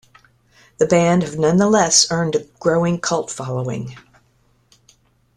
The band have nonetheless earned a growing cult following.